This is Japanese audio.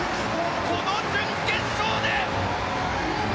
この準決勝で！